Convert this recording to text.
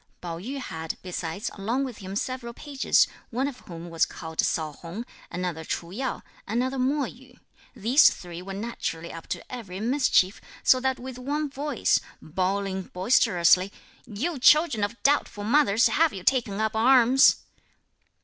Pao yü had, besides, along with him several pages, one of whom was called Sao Hung, another Ch'u Yo, another Mo Yü. These three were naturally up to every mischief, so that with one voice, bawling boisterously, "You children of doubtful mothers, have you taken up arms?"